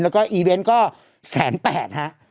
แล้วก็อีเวนต์ก็๑๘๐๐ฮะ